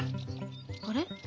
あれ？